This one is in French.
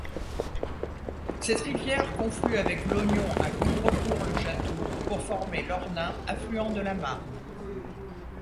Cette rivière conflue avec l'Ognon à Gondrecourt-le-Chateau, pour former l'Ornain, affluent de la Marne.